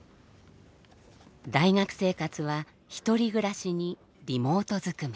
大学生活は１人暮らしにリモートずくめ。